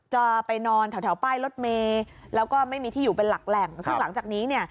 จะไปนอนแถวป้ายรถเมย์แล้วก็ไม่มีที่อยู่เป็นหลักแหล่งซึ่งหลังจากนี้เนี่ย